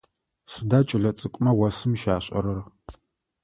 Сыда кӏэлэцӏыкӏумэ осым щашӏэрэр?